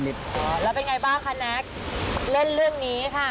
แล้วเป็นไงบ้างคะแน็กเล่นเรื่องนี้ค่ะ